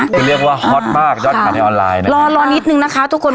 คือเรียกว่าฮอตมากยอดขายในออนไลน์นะรอรอนิดนึงนะคะทุกคน